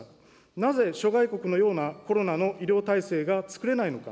なぜ、諸外国のようなコロナの医療体制がつくれないのか。